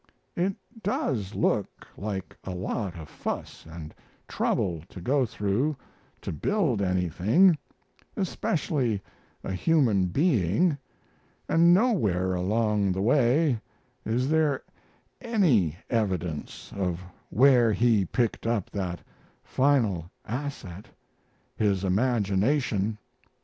"It does look like a lot of fuss and trouble to go through to build anything, especially a human being, and nowhere along the way is there any evidence of where he picked up that final asset his imagination.